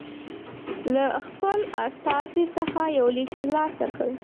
له خپل استازي څخه یو لیک ترلاسه کړ.